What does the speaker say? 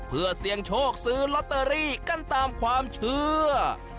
เพื่อเสี่ยงโชคซื้อลอตเตอรี่กันตามความเชื่อ